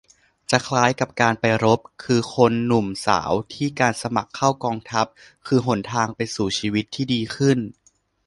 จะคล้ายกับการไปรบ คือ "คนหนุ่มสาว" ที่การสมัครเข้ากองทัพคือหนทางไปสู่ชีวิตที่ดีขึ้น